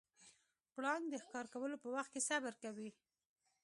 پړانګ د ښکار کولو په وخت کې صبر کوي.